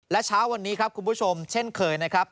และเช้าวันนี้ครับคุณผู้ชมเช่นเคยนะครับ